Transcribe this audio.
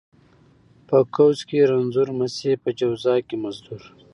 ـ په قوس کې رنځور مشې، په جواز کې مزدور.